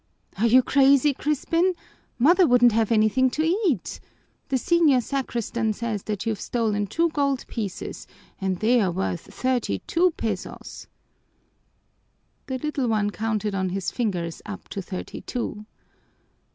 "Are you crazy, Crispin? Mother wouldn't have anything to eat. The senior sacristan says that you've stolen two gold pieces, and they're worth thirty two pesos." The little one counted on his fingers up to thirty two.